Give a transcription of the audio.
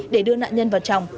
để đưa nạn nhân vào tròng